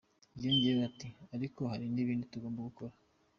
Yongeyeho ati “Ariko hari n’ibindi tugomba gukora.